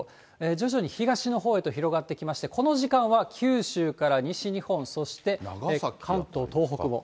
徐々に東のほうへと広がってきまして、この時間は、九州から西日本、そして関東、東北も。